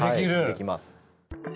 できます。